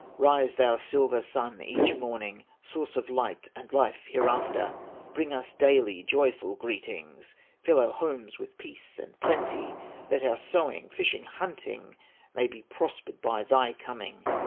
"Rise, thou silver Sun, each morning, Source of light and life hereafter, Bring us, daily, joyful greetings, Fill our homes with peace and plenty, That our sowing, fishing, hunting, May be prospered by thy coming.